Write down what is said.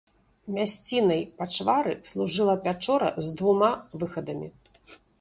Мясцінай пачвары служыла пячора з двума выхадамі.